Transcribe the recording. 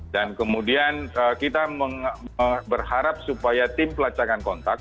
dan kemudian kita berharap supaya tim pelancaran kontak